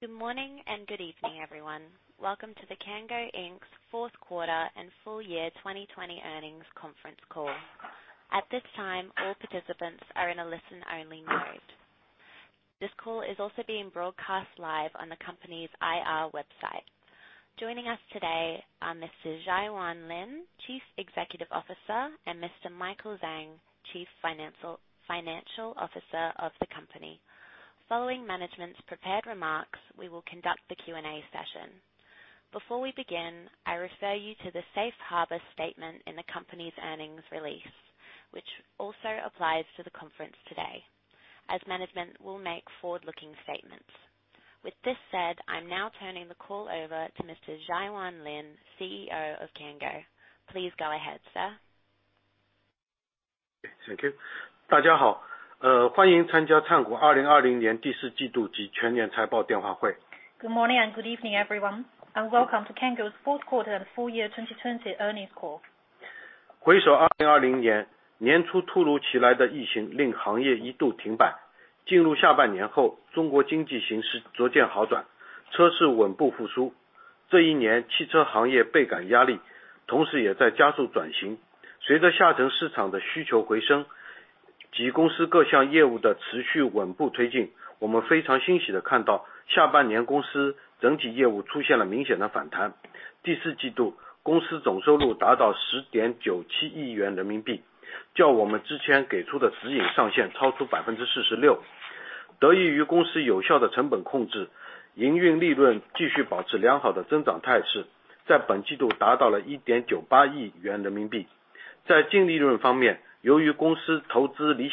Good morning and good evening, everyone. Welcome to the Cango fourth quarter and full year 2020 earnings conference call. At this time, all participants are in a listen-only mode. This call is also being broadcast live on the company's IR website. Joining us today are Mr. Jiayuan Lin, Chief Executive Officer, and Mr. Michael Zhang, Chief Financial Officer of the company. Following management's prepared remarks, we will conduct the Q&A session. Before we begin, I refer you to the safe harbor statement in the company's earnings release, which also applies to the conference today, as management will make forward-looking statements. With this said, I'm now turning the call over to Mr. Jiayuan Lin, CEO of Cango. Please go ahead, sir. Thank you. 大家好，欢迎参加Cango 2020年第四季度及全年财报电话会。Good morning and good evening, everyone. Welcome to Cango's Fourth Quarter and Full Year 2020 Earnings Call. In 2020, the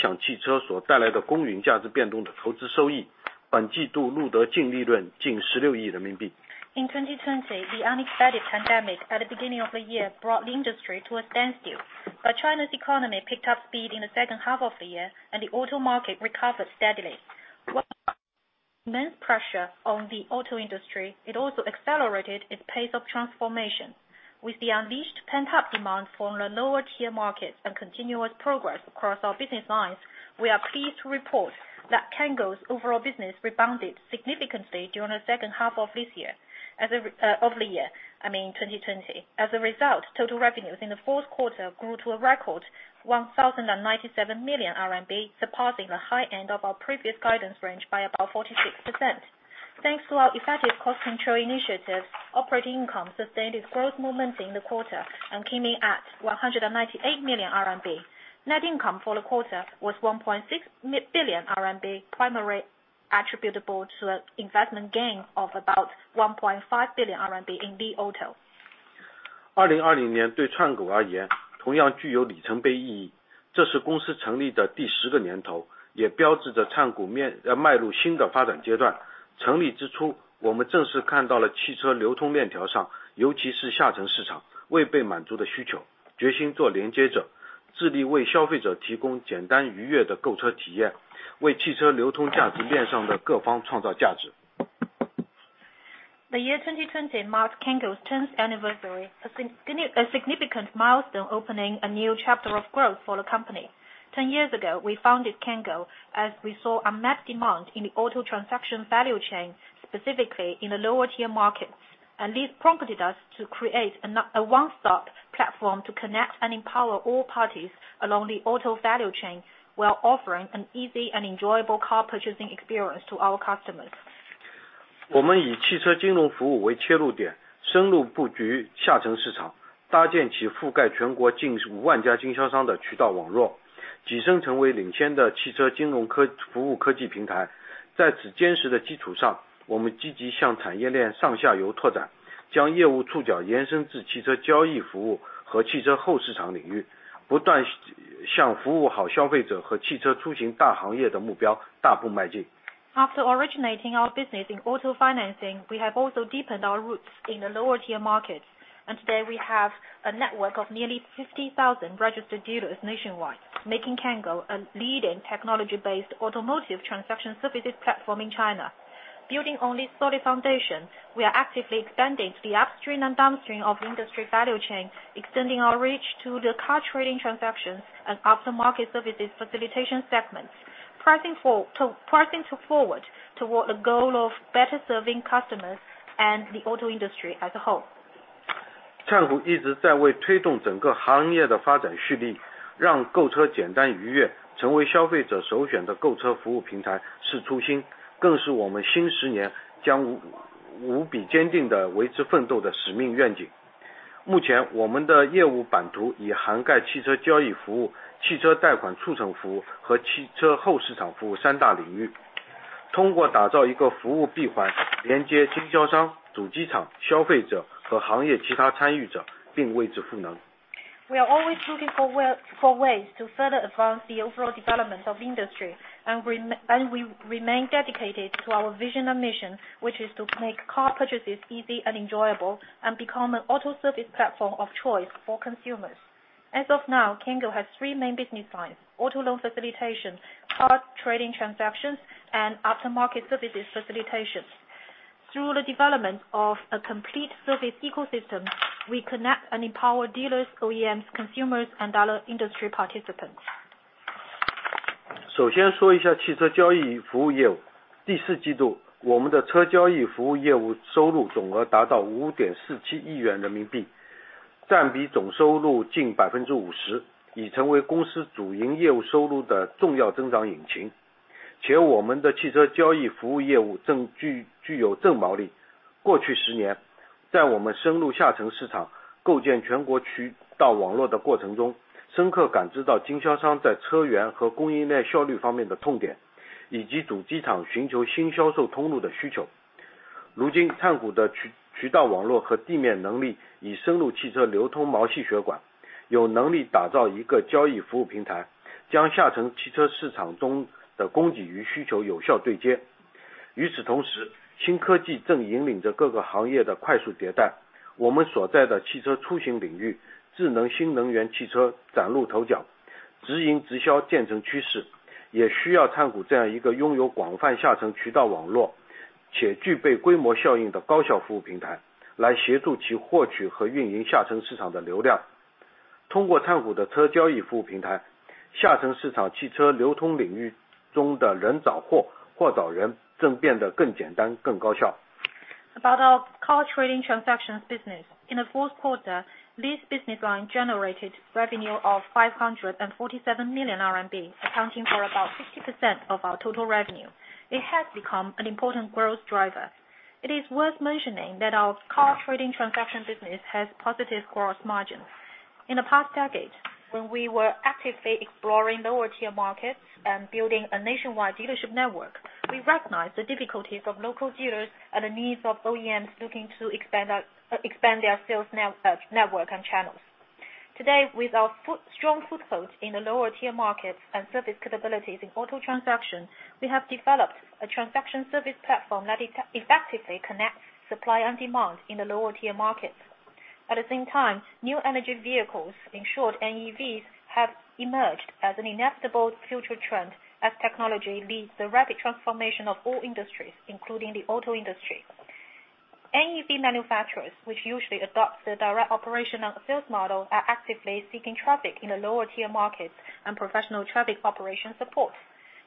unexpected pandemic at the beginning of the year brought the industry to a standstill, but China's economy picked up speed in the second half of the year, and the auto market recovered steadily. While immense pressure on the auto industry, it also accelerated its pace of transformation. With the unleashed pent-up demand from the lower-tier markets and continuous progress across our business lines, we are pleased to report that Cango's overall business rebounded significantly during the second half of this year—I mean 2020. As a result, total revenues in the fourth quarter grew to a record 1,097 million RMB, surpassing the high end of our previous guidance range by about 46%. Thanks to our effective cost control initiatives, operating income sustained its growth momentum in the quarter and came in at 198 million RMB. Net income for the quarter was 1.6 billion RMB, primarily attributable to an investment gain of about 1.5 billion RMB in the auto. 2020年对灿国而言，同样具有里程碑意义。这是公司成立的第十个年头，也标志着灿国迈入新的发展阶段。成立之初，我们正是看到了汽车流通链条上，尤其是下沉市场，未被满足的需求，决心做连接者，致力为消费者提供简单愉悦的购车体验，为汽车流通价值链上的各方创造价值。The year 2020 marked Cango's 10th anniversary, a significant milestone opening a new chapter of growth for the company. Ten years ago, we founded Cango as we saw unmet demand in the auto transaction value chain, specifically in the lower-tier markets, and this prompted us to create a one-stop platform to connect and empower all parties along the auto value chain while offering an easy and enjoyable car purchasing experience to our customers. 我们以汽车金融服务为切入点，深入布局下沉市场，搭建起覆盖全国近5万家经销商的渠道网络，跻身成为领先的汽车金融服务科技平台。在此坚实的基础上，我们积极向产业链上下游拓展，将业务触角延伸至汽车交易服务和汽车后市场领域，不断向服务好消费者和汽车出行大行业的目标大步迈进。After originating our business in auto financing, we have also deepened our roots in the lower-tier markets, and today we have a network of nearly 50,000 registered dealers nationwide, making Cango a leading technology-based automotive transaction services platform in China. Building on this solid foundation, we are actively expanding to the upstream and downstream of the industry value chain, extending our reach to the car trading transactions and aftermarket services facilitation segments, pressing forward toward the goal of better serving customers and the auto industry as a whole. We are always looking for ways to further advance the overall development of the industry, and we remain dedicated to our vision and mission, which is to make car purchases easy and enjoyable and become an auto service platform of choice for consumers. As of now, Cango has three main business lines: auto loan facilitation, car trading transactions, and aftermarket services facilitation. Through the development of a complete service ecosystem, we connect and empower dealers, OEMs, consumers, and other industry participants. About our car trading transactions business, in the fourth quarter, this business line generated revenue of 547 million RMB, accounting for about 50% of our total revenue. It has become an important growth driver. It is worth mentioning that our car trading transaction business has positive gross margins. In the past decade, when we were actively exploring lower-tier markets and building a nationwide dealership network, we recognized the difficulties of local dealers and the needs of OEMs looking to expand their sales network and channels. Today, with our strong foothold in the lower-tier markets and service capabilities in auto transactions, we have developed a transaction service platform that effectively connects supply and demand in the lower-tier markets. At the same time, new energy vehicles, in short, NEVs, have emerged as an inevitable future trend as technology leads the rapid transformation of all industries, including the auto industry. NEV manufacturers, which usually adopt the direct operation and sales model, are actively seeking traffic in the lower-tier markets and professional traffic operation support.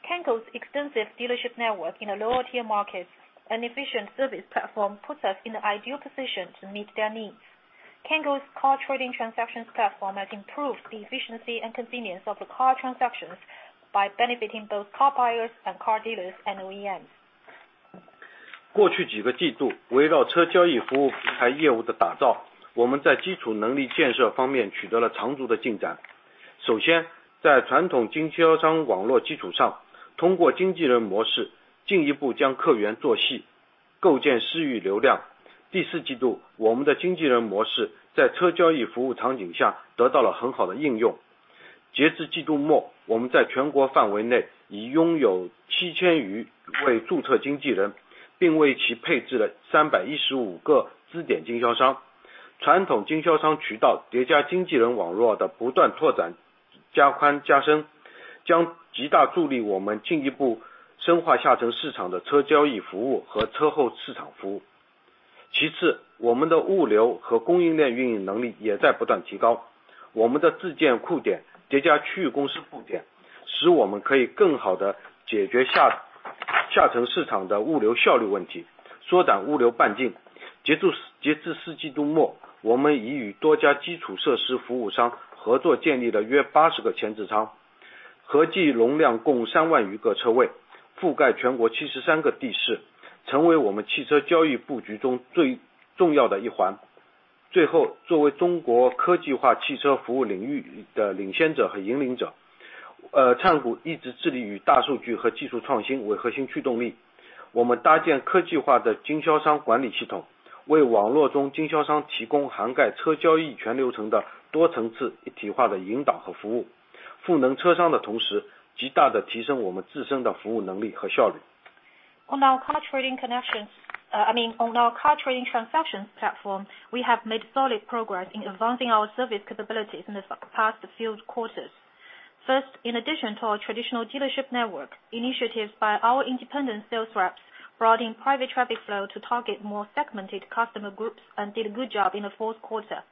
Cango's extensive dealership network in the lower-tier markets and efficient service platform puts us in the ideal position to meet their needs. Cango's car trading transactions platform has improved the efficiency and convenience of the car transactions by benefiting both car buyers and car dealers and OEMs. On our car trading connections, I mean, on our car trading transactions platform, we have made solid progress in advancing our service capabilities in the past few quarters. First, in addition to our traditional dealership network, initiatives by our independent sales reps brought in private traffic flow to target more segmented customer groups and did a good job in the fourth quarter.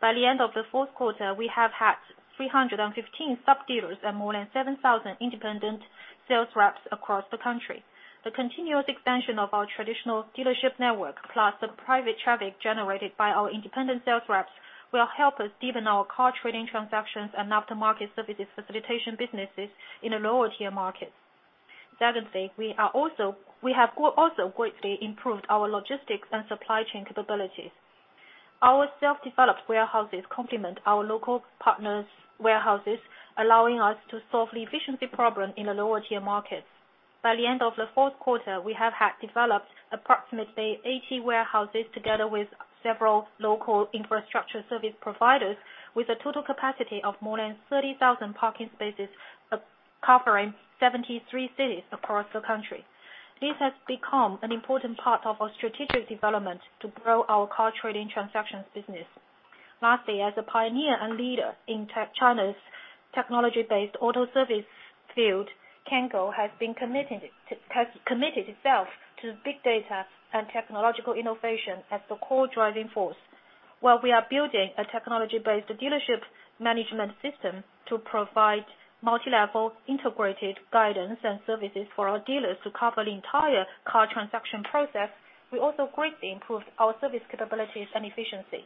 By the end of the fourth quarter, we have had 315 sub-dealers and more than 7,000 independent sales reps across the country. The continuous expansion of our traditional dealership network, plus the private traffic generated by our independent sales reps, will help us deepen our car trading transactions and aftermarket services facilitation businesses in the lower-tier markets. Secondly, we have also greatly improved our logistics and supply chain capabilities. Our self-developed warehouses complement our local partners' warehouses, allowing us to solve the efficiency problem in the lower-tier markets. By the end of the fourth quarter, we have developed approximately 80 warehouses together with several local infrastructure service providers, with a total capacity of more than 30,000 parking spaces covering 73 cities across the country. This has become an important part of our strategic development to grow our car trading transactions business. Lastly, as a pioneer and leader in China's technology-based auto service field, Cango has committed itself to big data and technological innovation as the core driving force. While we are building a technology-based dealership management system to provide multilevel integrated guidance and services for our dealers to cover the entire car transaction process, we also greatly improved our service capabilities and efficiency.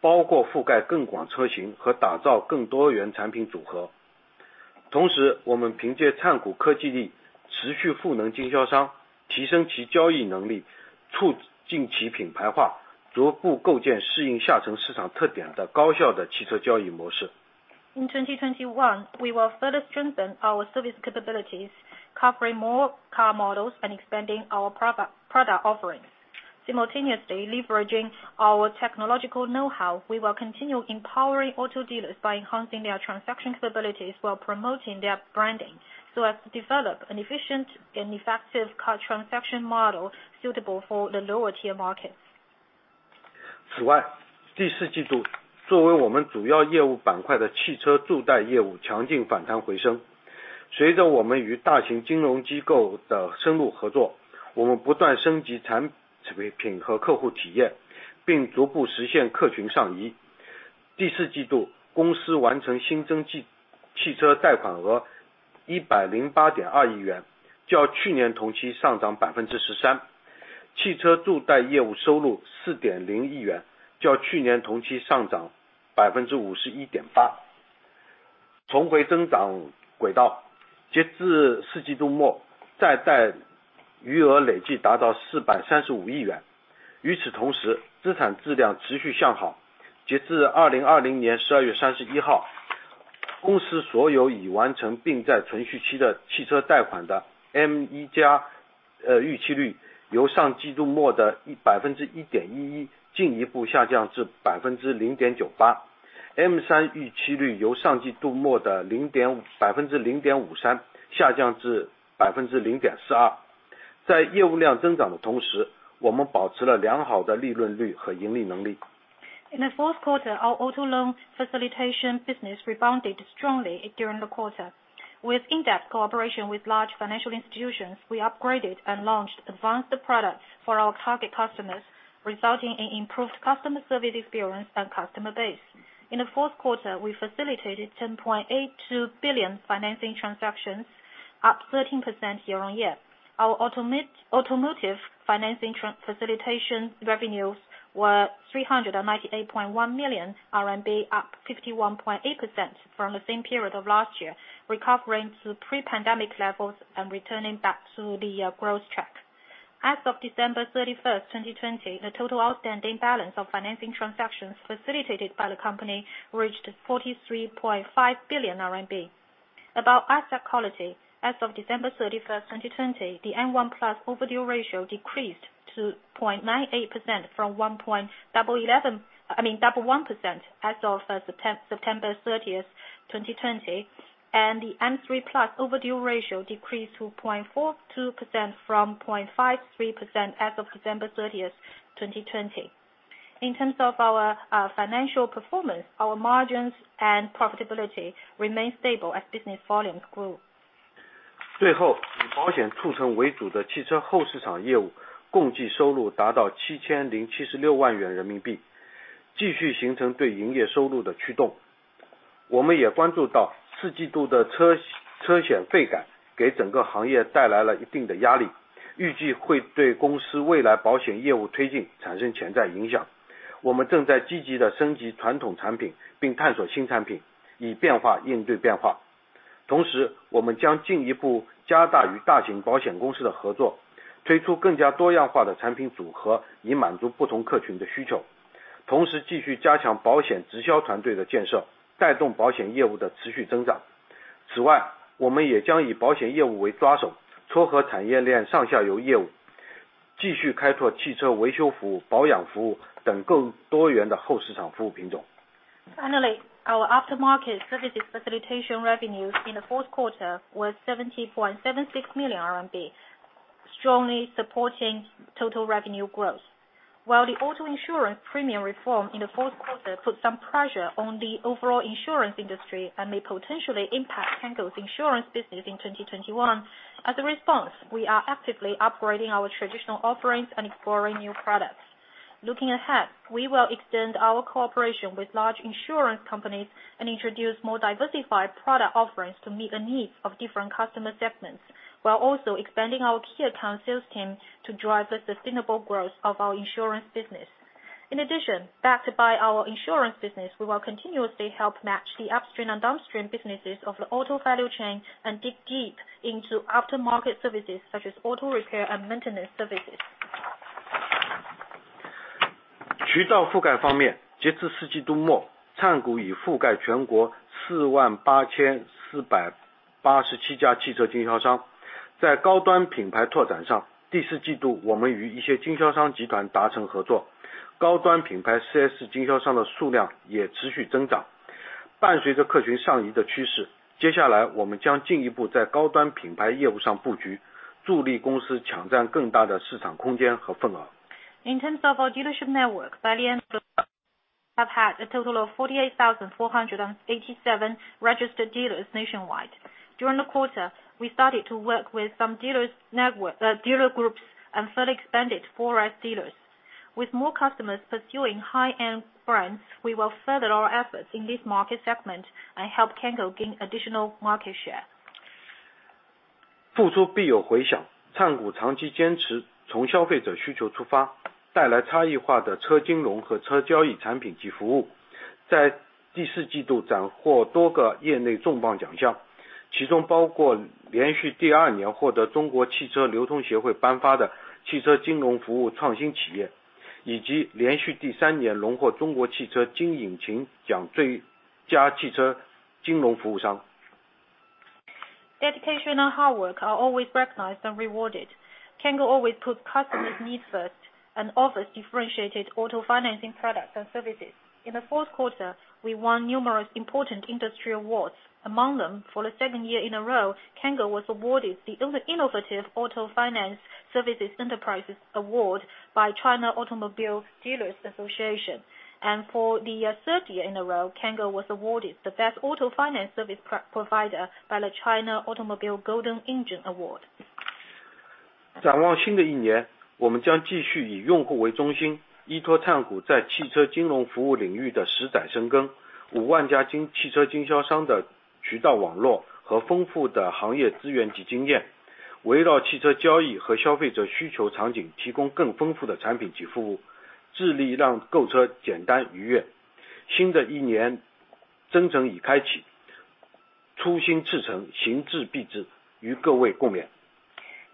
在新的一年里，我们将进一步着力提升交易服务能力，包括覆盖更广车型和打造更多元产品组合。同时，我们凭借灿国科技力持续赋能经销商，提升其交易能力，促进其品牌化，逐步构建适应下沉市场特点的高效的汽车交易模式。In 2021, we will further strengthen our service capabilities, covering more car models and expanding our product offerings. Simultaneously, leveraging our technological know-how, we will continue empowering auto dealers by enhancing their transaction capabilities while promoting their branding, so as to develop an efficient and effective car transaction model suitable for the lower-tier markets. In the fourth quarter, our auto loan facilitation business rebounded strongly during the quarter. With in-depth cooperation with large financial institutions, we upgraded and launched advanced products for our target customers, resulting in improved customer service experience and customer base. In the fourth quarter, we facilitated 10.82 billion financing transactions, up 13% year on year. Our automotive financing facilitation revenues were 398.1 million RMB, up 51.8% from the same period of last year, recovering to pre-pandemic levels and returning back to the growth track. As of December 31st, 2020, the total outstanding balance of financing transactions facilitated by the company reached 43.5 billion RMB. About asset quality, as of December 31, 2020, the M1+ overdue ratio decreased to 0.98% from 1.11% as of September 30, 2020, and the M3+ overdue ratio decreased to 0.42% from 0.53% as of December 31th, 2020. In terms of our financial performance, our margins and profitability remain stable as business volumes grew. 最后，以保险促成为主的汽车后市场业务共计收入达到7,076万元人民币，继续形成对营业收入的驱动。我们也关注到四季度的车险费改给整个行业带来了一定的压力，预计会对公司未来保险业务推进产生潜在影响。我们正在积极地升级传统产品并探索新产品，以变化应对变化。同时，我们将进一步加大与大型保险公司的合作，推出更加多样化的产品组合以满足不同客群的需求。同时继续加强保险直销团队的建设，带动保险业务的持续增长。此外，我们也将以保险业务为抓手，撮合产业链上下游业务，继续开拓汽车维修服务、保养服务等更多元的后市场服务品种。Finally, our aftermarket services facilitation revenues in the fourth quarter were 70.76 million RMB, strongly supporting total revenue growth. While the auto insurance premium reform in the fourth quarter put some pressure on the overall insurance industry and may potentially impact Cango's insurance business in 2021, as a response, we are actively upgrading our traditional offerings and exploring new products. Looking ahead, we will extend our cooperation with large insurance companies and introduce more diversified product offerings to meet the needs of different customer segments, while also expanding our key account sales team to drive the sustainable growth of our insurance business. In addition, backed by our insurance business, we will continuously help match the upstream and downstream businesses of the auto value chain and dig deep into aftermarket services such as auto repair and maintenance services. In terms of our dealership network, by the end of the quarter, we have had a total of 48,487 registered dealers nationwide. During the quarter, we started to work with some dealer groups and further expanded four 4S dealers. With more customers pursuing high-end brands, we will further our efforts in this market segment and help Cango gain additional market share. 付诸必有回响，灿国长期坚持从消费者需求出发，带来差异化的车金融和车交易产品及服务。在第四季度斩获多个业内重磅奖项，其中包括连续第二年获得中国汽车流通协会颁发的汽车金融服务创新企业，以及连续第三年荣获中国汽车金引擎奖最佳汽车金融服务商。Dedication and hard work are always recognized and rewarded. Cango always puts customers' needs first and offers differentiated auto financing products and services. In the fourth quarter, we won numerous important industry awards. Among them, for the second year in a row, Cango was awarded the Innovative Auto Finance Services Enterprises Award by China Automobile Dealers Association. For the third year in a row, Cango was awarded the Best Auto Finance Service Provider by the China Automobile Golden Engine Award.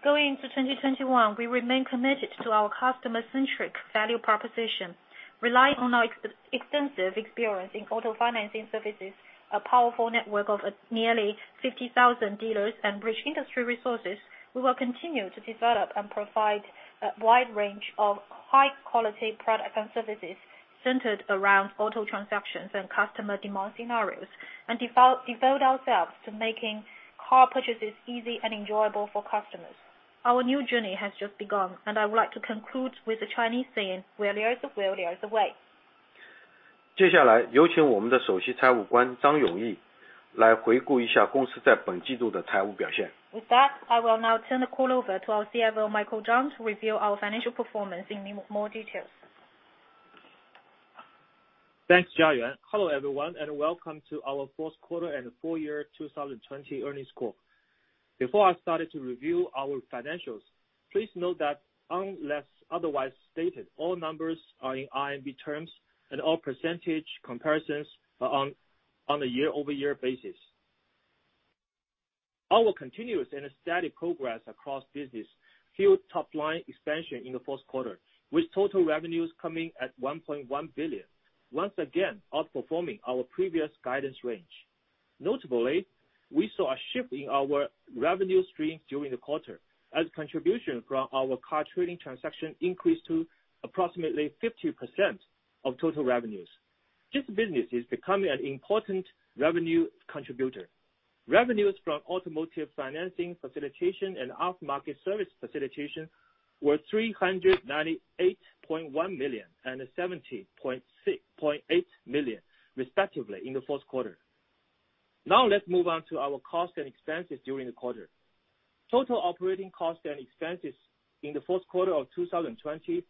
Going into 2021, we remain committed to our customer-centric value proposition. Relying on our extensive experience in auto financing services, a powerful network of nearly 50,000 dealers, and rich industry resources, we will continue to develop and provide a wide range of high-quality products and services centered around auto transactions and customer demand scenarios, and devote ourselves to making car purchases easy and enjoyable for customers. Our new journey has just begun, and I would like to conclude with the Chinese saying, "Where there is a will, there is a way. 接下来，有请我们的首席财务官张永毅来回顾一下公司在本季度的财务表现。With that, I will now turn the call over to our CFO, Michael Zhang, to review our financial performance in more detail. Thanks, Jiayuan. Hello everyone, and welcome to our Fourth Quarter and the Full Year 2020 Earnings Call. Before I started to review our financials, please note that unless otherwise stated, all numbers are in RMB terms, and all percentage comparisons are on a year-over-year basis. Our continuous and steady progress across business fueled top-line expansion in the fourth quarter, with total revenues coming at 1.1 billion, once again outperforming our previous guidance range. Notably, we saw a shift in our revenue streams during the quarter, as contributions from our car trading transactions increased to approximately 50% of total revenues. This business is becoming an important revenue contributor. Revenues from automotive financing facilitation and aftermarket service facilitation were 398.1 million and 70.8 million, respectively, in the fourth quarter. Now let's move on to our costs and expenses during the quarter. Total operating costs and expenses in the fourth quarter of 2020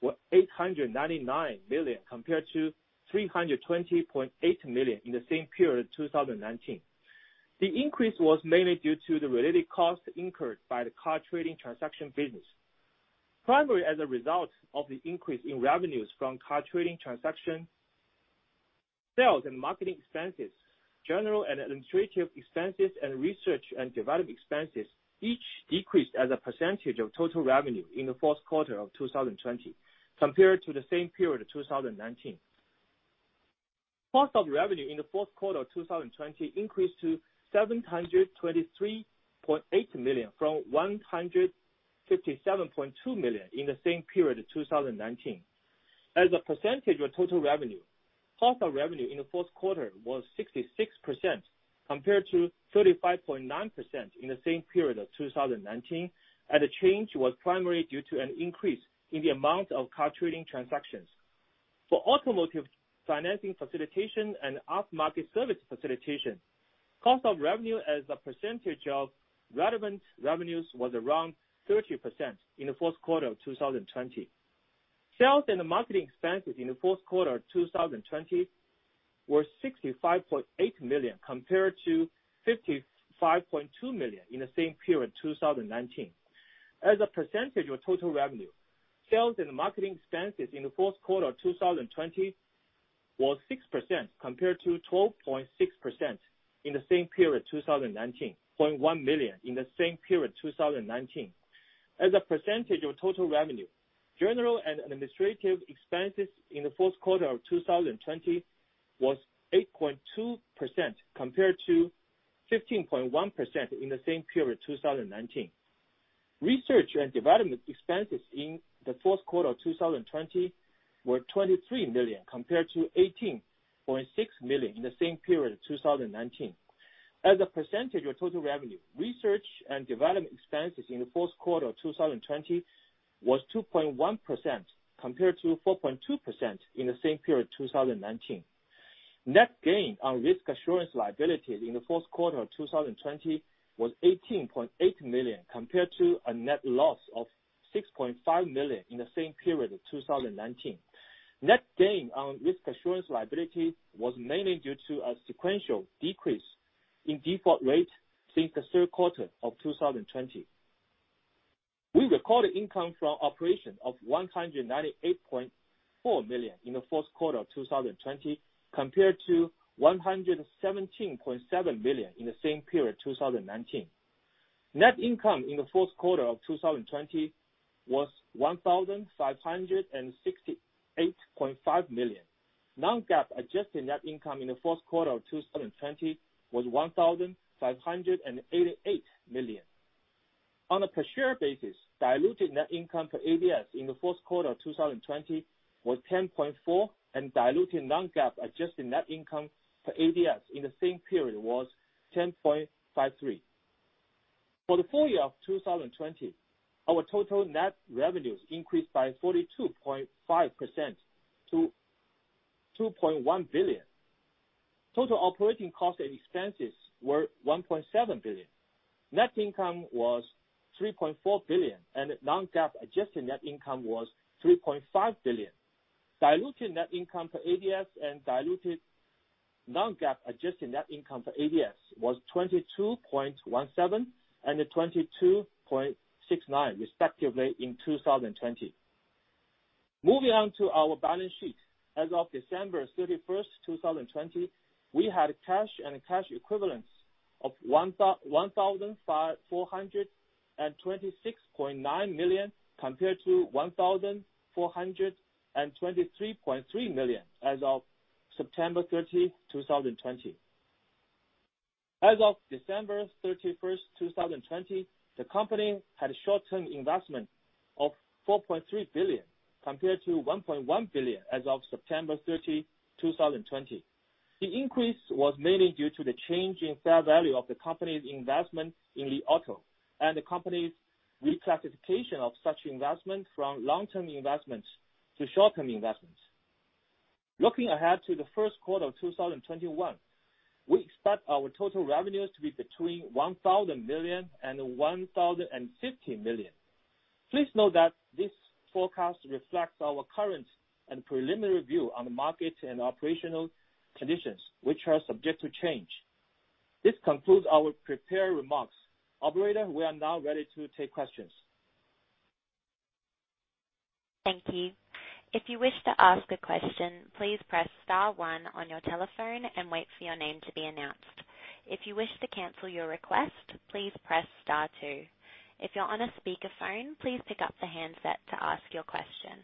were 899 million compared to 320.8 million in the same period of 2019. The increase was mainly due to the related costs incurred by the car trading transaction business. Primarily as a result of the increase in revenues from car trading transaction sales and marketing expenses, general and administrative expenses, and research and development expenses, each decreased as a percentage of total revenue in the fourth quarter of 2020, compared to the same period of 2019. Cost of revenue in the fourth quarter of 2020 increased to 723.8 million from 157.2 million in the same period of 2019. As a percentage of total revenue, cost of revenue in the fourth quarter was 66% compared to 35.9% in the same period of 2019, and the change was primarily due to an increase in the amount of car trading transactions. For automotive financing facilitation and aftermarket service facilitation, cost of revenue as a percentage of relevant revenues was around 30% in the fourth quarter of 2020. Sales and marketing expenses in the fourth quarter of 2020 were 65.8 million compared to 55.2 million in the same period of 2019. As a percentage of total revenue, sales and marketing expenses in the fourth quarter of 2020 were 6% compared to 12.6% in the same period of 2019. General and administrative expenses in the fourth quarter of 2020 were RMB 91.1 million compared to 120.1 million in the same period of 2019. As a percentage of total revenue, general and administrative expenses in the fourth quarter of 2020 were 8.2% compared to 15.1% in the same period of 2019. Research and development expenses in the fourth quarter of 2020 were 23 million compared to 18.6 million in the same period of 2019. As a percentage of total revenue, research and development expenses in the fourth quarter of 2020 were 2.1% compared to 4.2% in the same period of 2019. Net gain on risk assurance liabilities in the fourth quarter of 2020 was 18.8 million compared to a net loss of 6.5 million in the same period of 2019. Net gain on risk assurance liabilities was mainly due to a sequential decrease in default rate since the third quarter of 2020. We recorded income from operations of 198.4 million in the fourth quarter of 2020 compared to 117.7 million in the same period of 2019. Net income in the fourth quarter of 2020 was 1,568.5 million. Non-GAAP adjusted net income in the fourth quarter of 2020 was 1,588 million. On a per-share basis, diluted net income per ADS in the fourth quarter of 2020 was 10.4, and diluted non-GAAP adjusted net income per ADS in the same period was 10.53. For the full year of 2020, our total net revenues increased by 42.5% to 2.1 billion. Total operating costs and expenses were 1.7 billion. Net income was 3.4 billion, and non-GAAP adjusted net income was 3.5 billion. Diluted net income per ADS and diluted non-GAAP adjusted net income per ADS was 22.17 and 22.69, respectively, in 2020. Moving on to our balance sheet, as of December 31, 2020, we had cash and cash equivalents of RMB 1,426.9 million compared to RMB 1,423.3 million as of September 30, 2020. As of December 31, 2020, the company had a short-term investment of 4.3 billion compared to 1.1 billion as of September 30, 2020. The increase was mainly due to the change in fair value of the company's investment in Li Auto, and the company's reclassification of such investment from long-term investment to short-term investment. Looking ahead to the first quarter of 2021, we expect our total revenues to be between 1,000 million and 1,050 million. Please note that this forecast reflects our current and preliminary view on the market and operational conditions, which are subject to change. This concludes our prepared remarks. Operator, we are now ready to take questions. Thank you. If you wish to ask a question, please press star one on your telephone and wait for your name to be announced. If you wish to cancel your request, please press star two. If you're on a speakerphone, please pick up the handset to ask your question.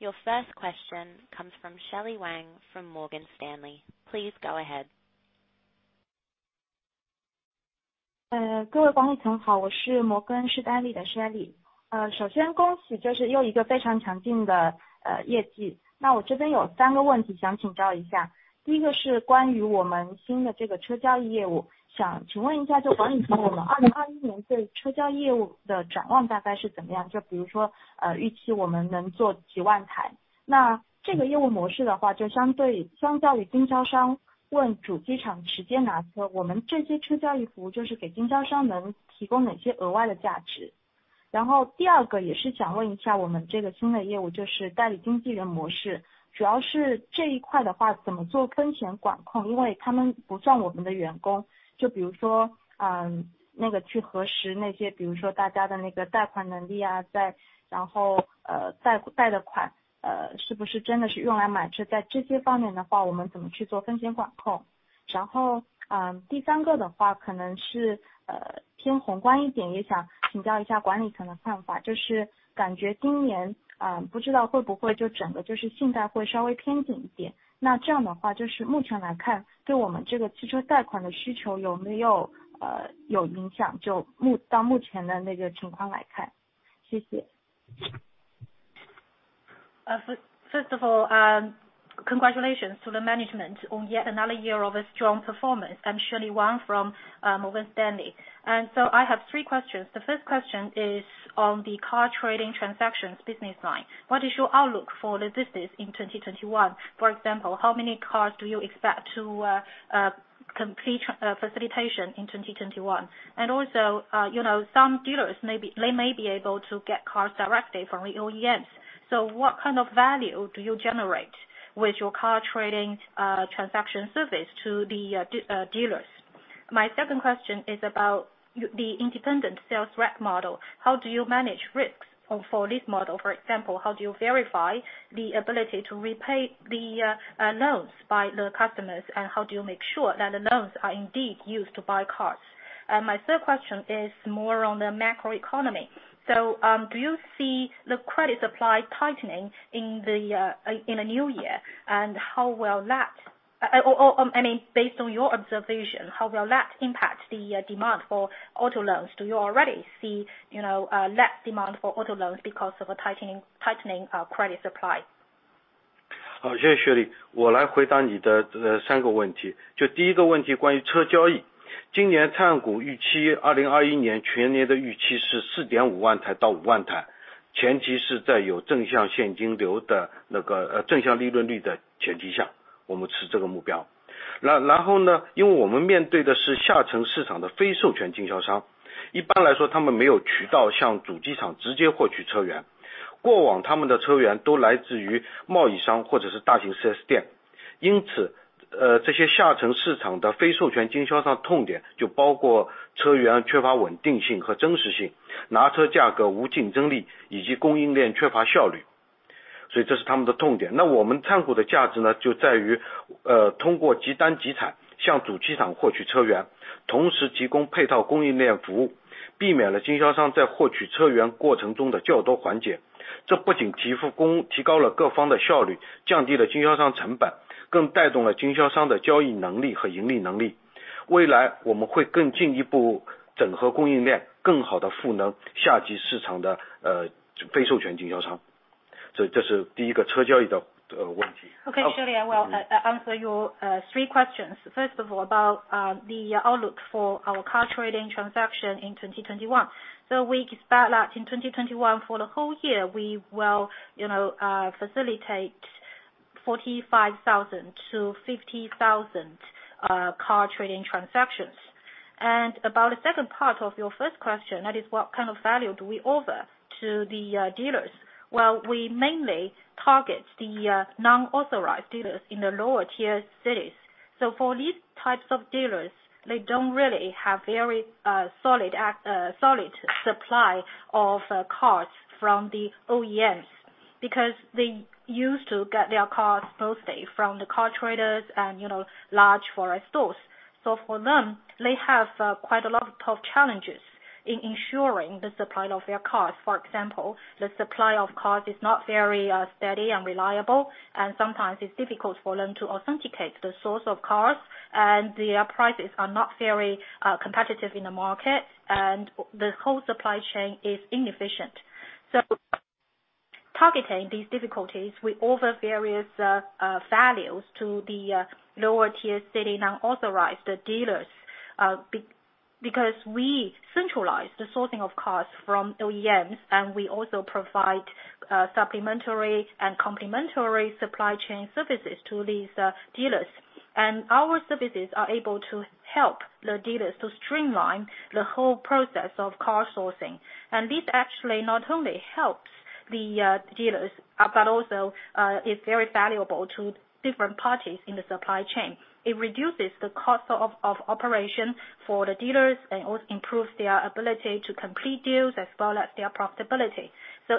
Your first question comes from Shelley Wang from Morgan Stanley. Please go ahead. First of all, congratulations to the management on yet another year of strong performance. I'm Shelley Wang from Morgan Stanley. I have three questions. The first question is on the car trading transactions business line. What is your outlook for the business in 2021? For example, how many cars do you expect to complete facilitation in 2021? Also, some dealers, they may be able to get cars directly from Li Auto EMS. What kind of value do you generate with your car trading transaction service to the dealers? My second question is about the independent sales rep model. How do you manage risks for this model? For example, how do you verify the ability to repay the loans by the customers, and how do you make sure that the loans are indeed used to buy cars? My third question is more on the macroeconomy. Do you see the credit supply tightening in the new year, and how will that, I mean, based on your observation, how will that impact the demand for auto loans? Do you already see less demand for auto loans because of a tightening credit supply? 好，谢谢 Shelley。我来回答你的三个问题。就第一个问题关于车交易，今年碳股预期2021年全年的预期是4.5万台到5万台，前提是在有正向现金流的正向利润率的前提下，我们持这个目标。然后因为我们面对的是下层市场的非授权经销商，一般来说他们没有渠道向主机场直接获取车源，过往他们的车源都来自于贸易商或者是大型4S店。因此这些下层市场的非授权经销商痛点就包括车源缺乏稳定性和真实性、拿车价格无竞争力，以及供应链缺乏效率。所以这是他们的痛点。那我们碳股的价值就在于通过极单集产向主机场获取车源，同时提供配套供应链服务，避免了经销商在获取车源过程中的较多环节。这不仅提高了各方的效率，降低了经销商成本，更带动了经销商的交易能力和盈利能力。未来我们会更进一步整合供应链，更好地赋能下级市场的非授权经销商。这是第一个车交易的问题。Okay, Shelley, I will answer your three questions. First of all, about the outlook for our car trading transaction in 2021. We expect that in 2021, for the whole year, we will facilitate 45,000-50,000 car trading transactions. About the second part of your first question, that is what kind of value do we offer to the dealers? We mainly target the non-authorized dealers in the lower-tier cities. For these types of dealers, they don't really have very solid supply of cars from the OEMs because they used to get their cars mostly from the car traders and large 4S stores. For them, they have quite a lot of challenges in ensuring the supply of their cars. For example, the supply of cars is not very steady and reliable, and sometimes it's difficult for them to authenticate the source of cars, and their prices are not very competitive in the market, and the whole supply chain is inefficient. Targeting these difficulties, we offer various values to the lower-tier city non-authorized dealers because we centralize the sourcing of cars from OEMs, and we also provide supplementary and complementary supply chain services to these dealers. Our services are able to help the dealers to streamline the whole process of car sourcing. This actually not only helps the dealers, but also is very valuable to different parties in the supply chain. It reduces the cost of operation for the dealers and also improves their ability to complete deals as well as their profitability.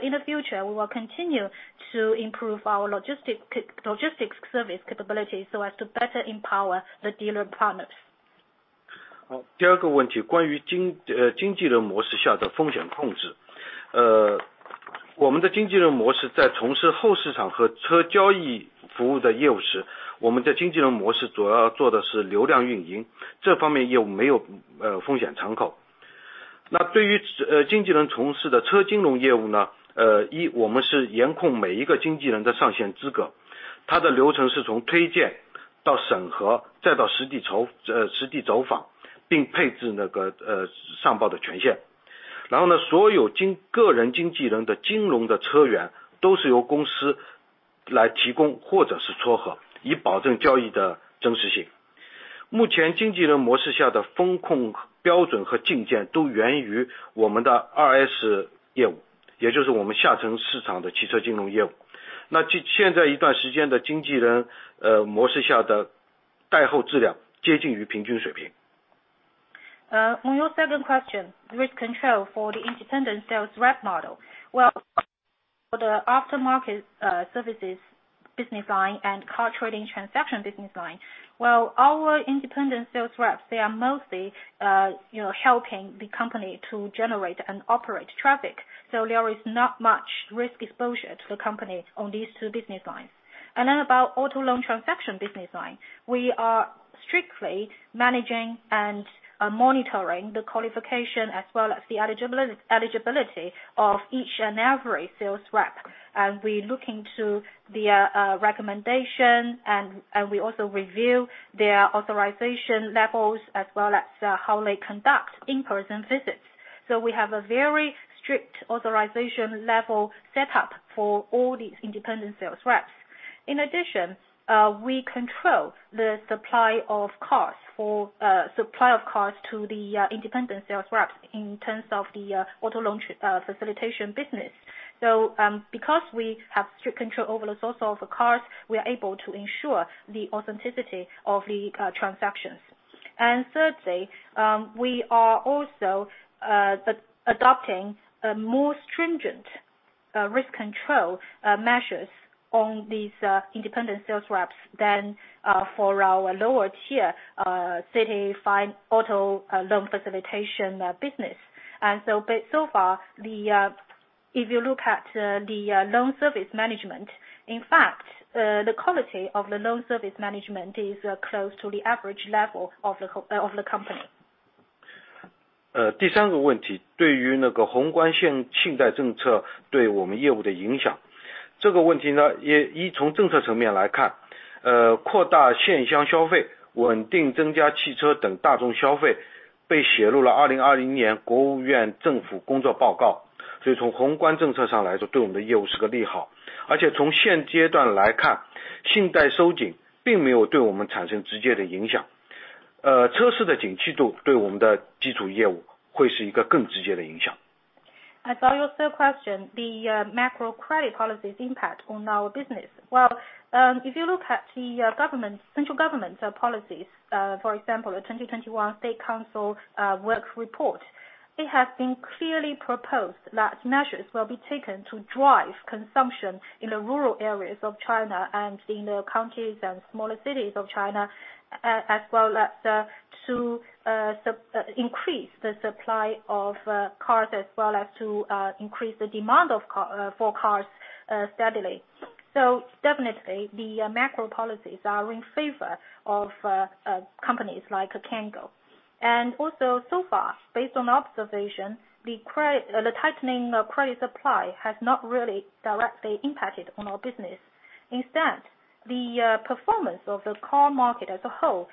In the future, we will continue to improve our logistics service capability so as to better empower the dealer partners. 第二个问题关于经纪人模式下的风险控制。我们的经纪人模式在从事后市场和车交易服务的业务时，我们的经纪人模式主要做的是流量运营，这方面业务没有风险敞口。那对于经纪人从事的车金融业务，一，我们是严控每一个经纪人的上限资格。他的流程是从推荐到审核，再到实地走访，并配置上报的权限。然后所有个人经纪人的金融的车源都是由公司来提供或者是撮合，以保证交易的真实性。目前经纪人模式下的风控标准和进见都源于我们的2S业务，也就是我们下层市场的汽车金融业务。那现在一段时间的经纪人模式下的代后质量接近于平均水平。My second question with control for the independent sales rep model. For the aftermarket services business line and car trading transaction business line, our independent sales reps, they are mostly helping the company to generate and operate traffic. There is not much risk exposure to the company on these two business lines. About auto loan transaction business line, we are strictly managing and monitoring the qualification as well as the eligibility of each and every sales rep. We are looking to their recommendation, and we also review their authorization levels as well as how they conduct in-person visits. We have a very strict authorization level setup for all these independent sales reps. In addition, we control the supply of cars to the independent sales reps in terms of the auto loan facilitation business. Because we have strict control over the source of the cars, we are able to ensure the authenticity of the transactions. Thirdly, we are also adopting more stringent risk control measures on these independent sales reps than for our lower-tier city fine auto loan facilitation business. So far, if you look at the loan service management, in fact, the quality of the loan service management is close to the average level of the company. 第三个问题，对于宏观性信贷政策对我们业务的影响。这个问题一从政策层面来看，扩大线箱消费，稳定增加汽车等大众消费被写入了2020年国务院政府工作报告。所以从宏观政策上来说，对我们的业务是个利好。而且从现阶段来看，信贷收紧并没有对我们产生直接的影响。车市的景气度对我们的基础业务会是一个更直接的影响。I'll answer your third question, the macro credit policies impact on our business. If you look at the central government policies, for example, the 2021 State Council work report, it has been clearly proposed that measures will be taken to drive consumption in the rural areas of China and in the counties and smaller cities of China, as well as to increase the supply of cars, as well as to increase the demand for cars steadily. Definitely, the macro policies are in favor of companies like Cango. Also, so far, based on observation, the tightening credit supply has not really directly impacted on our business. Instead, the performance of the car market as a whole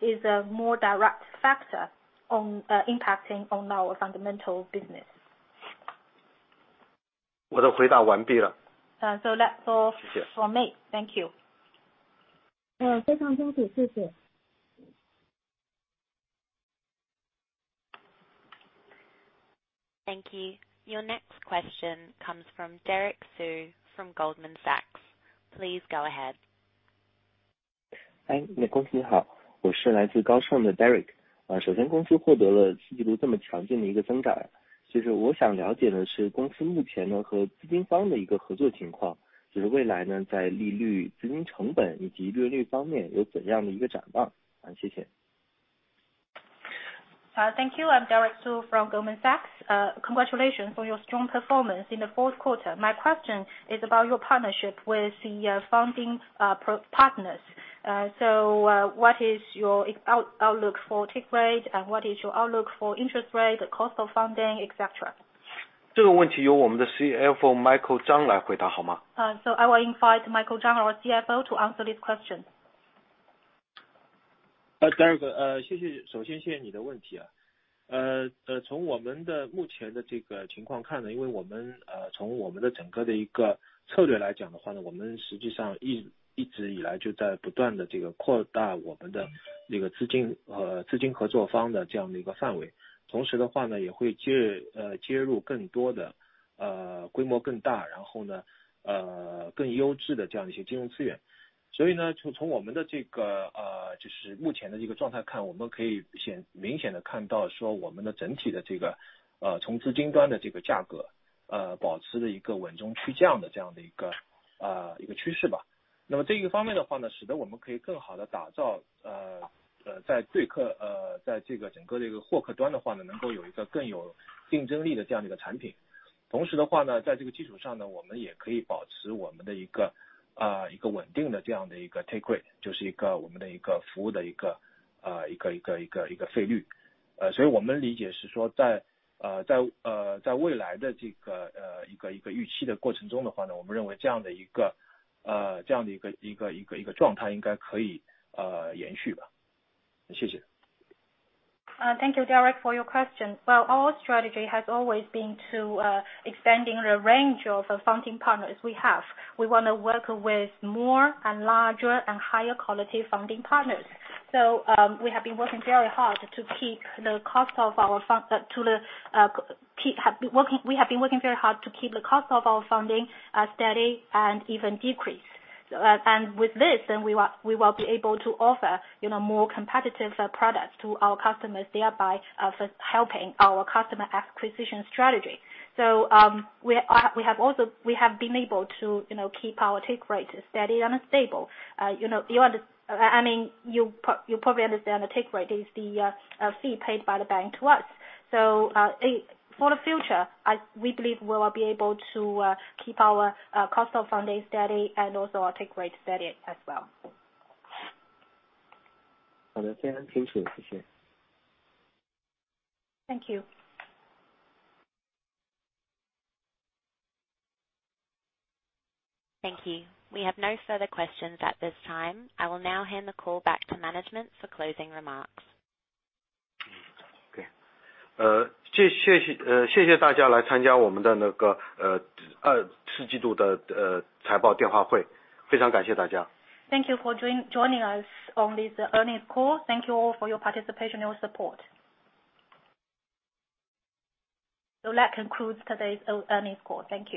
is a more direct factor impacting on our fundamental business. 我的回答完毕了。That's all from me. Thank you. 非常清楚，谢谢。Thank you. Your next question comes from Derek Su from Goldman Sachs. Please go ahead. 嗨，恭喜你好。我是来自高盛的 Derek。首先，公司获得了四季度这么强劲的一个增长。其实我想了解的是公司目前和资金方的一个合作情况，就是未来在利率、资金成本以及利润率方面有怎样的一个展望。谢谢。Thank you. I'm Derek Su from Goldman Sachs. Congratulations for your strong performance in the fourth quarter. My question is about your partnership with the funding partners. What is your outlook for TIC rate and what is your outlook for interest rate, the cost of funding, etc.? 这个问题由我们的 CFO Michael Zhang 来回答好吗？ I will invite Michael Zhang, our CFO, to answer this question. TIC rate，就是一个我们的一个服务的一个费率。我们理解是说在未来的这个一个预期的过程中的话，我们认为这样的一个状态应该可以延续。谢谢。Thank you, Derek, for your question. Our strategy has always been to expanding the range of funding partners we have. We want to work with more and larger and higher quality funding partners. We have been working very hard to keep the cost of our fund, we have been working very hard to keep the cost of our funding steady and even decrease. With this, we will be able to offer more competitive products to our customers, thereby helping our customer acquisition strategy. We have been able to keep our TIC rate steady and stable. I mean, you probably understand the TIC rate is the fee paid by the bank to us. For the future, we believe we will be able to keep our cost of funding steady and also our TIC rate steady as well. 好的，非常清楚，谢谢。Thank you. Thank you. We have no further questions at this time. I will now hand the call back to management for closing remarks. 谢谢大家来参加我们的四季度的财报电话会。非常感谢大家。Thank you for joining us on this earnings call. Thank you all for your participation and your support. That concludes today's earnings call. Thank you.